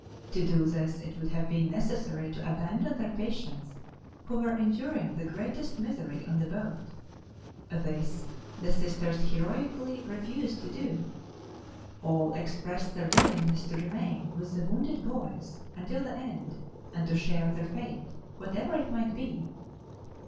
To do this it would have been necessary to abandon their patients, who were enduring the greatest misery on the boat. This the Sisters heroically refused to do. All expressed their willingness to remain with the "wounded boys" until the end and to share their fate, whatever it might be.